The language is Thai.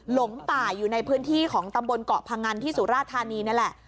หลงป่าอยู่ในพื้นที่ของตำบลเกาะพงันที่สุราธานีนี่แหละ